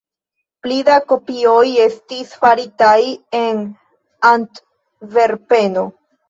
Pli da kopioj estis faritaj en Antverpeno.